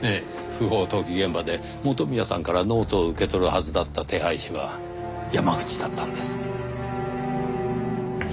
不法投棄現場で元宮さんからノートを受け取るはずだった手配師は山口だったんです。